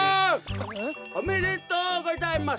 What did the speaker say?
おめでとうございます！